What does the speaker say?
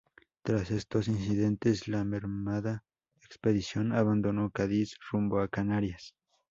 Tras estos incidentes, la mermada expedición abandonó Cádiz rumbo a Canarias.